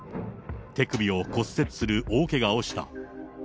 手首を骨折する大けがをした。